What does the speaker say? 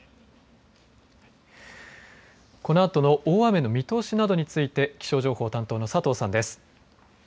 このあとの大雨の見通しなどについて気象情報担当の佐藤さんです。